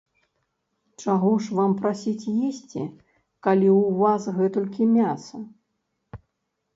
Чаго ж вам прасіць есці, калі ў вас гэтулькі мяса.